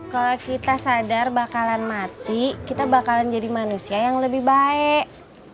kalau kita sadar bakalan mati kita bakalan jadi manusia yang lebih baik